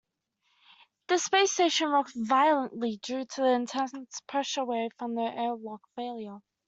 The space station rocked violently due to the intense pressure wave from the airlock failure.